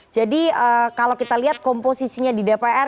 jadi kalau kita lihat komposisinya di dpr